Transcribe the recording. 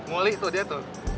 mulih tuh dia tuh